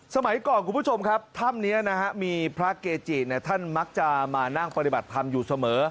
สมัยก่อนคุณผู้ชมครับถ้ำนี้นะฮะมีพระเกจิท่านมักจะมานั่งปฏิบัติธรรมอยู่เสมอ